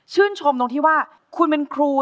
ชมตรงที่ว่าคุณเป็นครู